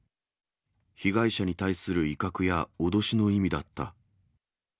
被害者に対する威嚇や脅しの意味だった。